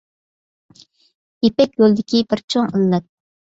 يىپەك يولىدىكى بىر چوڭ ئىللەت